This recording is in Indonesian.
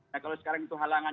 nah kalau sekarang itu halangan